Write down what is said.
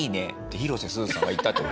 広瀬すずさんが言ったって事？